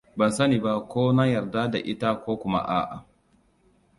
Ban sani ba ko na yarda da ita ko kuma a'a.